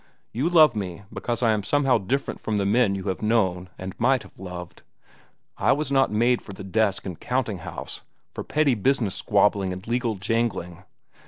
You love me because I am somehow different from the men you have known and might have loved. I was not made for the desk and counting house, for petty business squabbling, and legal jangling.